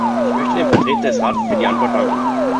Ich möchte dem Vertreter des Rates für die Antwort danken.